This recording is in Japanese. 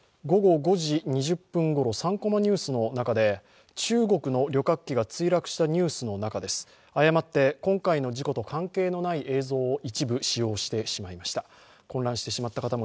午後５時２０分ごろ「３コマニュース」の中で中国の旅客機が墜落したニュースの中です誤って今回の事故と関係のない映像を一部使用してしまいました。